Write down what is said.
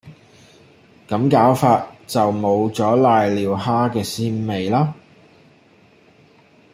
咁搞法就冇咗攋尿蝦嘅鮮味喇